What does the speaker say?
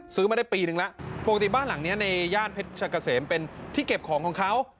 ซื้อมาได้ปีนึงแล้วปกติบ้านหลังนี้ในย่านเพชรชะกะเสมเป็นที่เก็บของของเขา